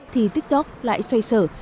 thì tiktok lại xoay sở